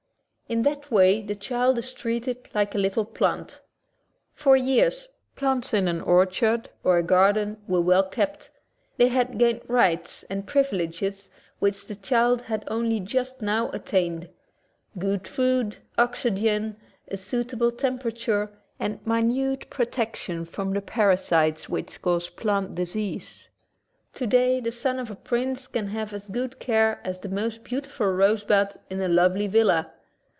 In that way the child is treated like a little plant. For years plants in an orchard or a garden were well kept; they had gained rights and privileges which the child had only just now attained — good food, oxygen, a suitable temperature, and minute protection from the parasites which cause plant disease. Today the son of a prince can have as good care as the most beautiful rosebud in a lovely villa.